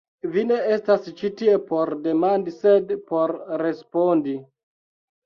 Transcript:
Vi ne estas ĉi tie por demandi sed por respondi.